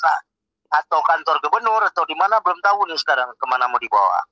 atau kantor gubernur atau di mana belum tahu nih sekarang kemana mau dibawa